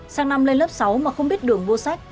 sang năm lên lớp sáu mà không biết đường mua sách